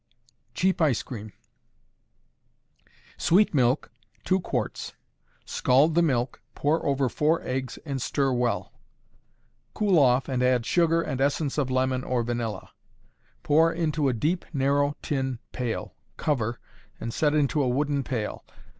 Cheap Ice Cream. Sweet milk, two quarts. Scald the milk, pour over four eggs, and stir well. Cool off and add sugar and essence of lemon or vanilla. Pour into a deep, narrow tin pail. Cover, and set into a wooden pail.